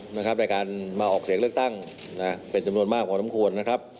ในการมาออกเสียงเลือกตั้งเป็นจำนวนมากของทั้งควร